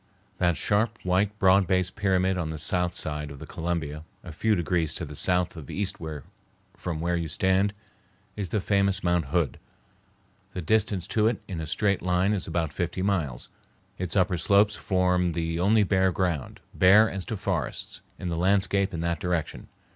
That sharp, white, broad based pyramid on the south side of the Columbia, a few degrees to the south of east from where you stand, is the famous Mount Hood. The distance to it in a straight line is about fifty miles. Its upper slopes form the only bare ground, bare as to forests, in the landscape in that direction.